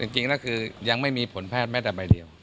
จริงแล้วคือยังไม่มีผลแพทย์แม้แต่ใบเดียว